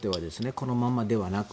このままではなく。